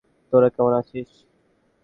তোরা কেমন আছিস?